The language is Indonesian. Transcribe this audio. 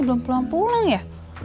belum pulang pulang ya